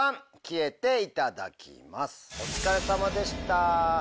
お疲れさまでした。